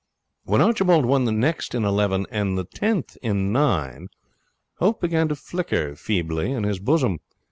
When Archibald won the next in eleven and the tenth in nine, hope began to flicker feebly in his bosom.